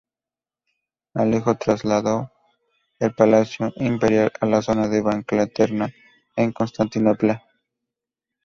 Alejo trasladó el palacio imperial a la zona de Blanquerna en Constantinopla.